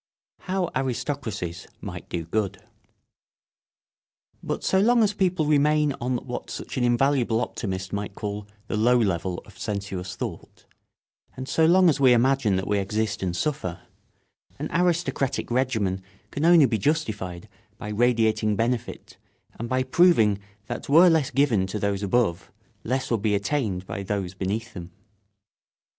[Sidenote: How aristocracies might do good.] But so long as people remain on what such an invaluable optimist might call the low level of sensuous thought, and so long as we imagine that we exist and suffer, an aristocratic regimen can only be justified by radiating benefit and by proving that were less given to those above less would be attained by those beneath them.